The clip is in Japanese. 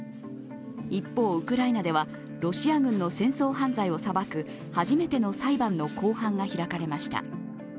一方、ウクライナではロシア軍の戦争犯罪を裁く初めての裁判の公判が開かれました。